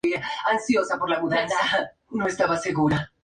En un episodio se descubre que tiene una hermana menor.